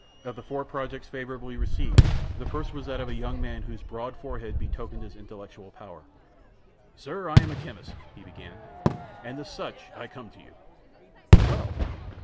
Of the four projects favorably received, the first was that of a young man whose broad forehead betokened his intellectual power. "Sir, I am a chemist," he began, "and as such I come to you." "Well!"